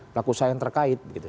pelaku usaha yang terkait begitu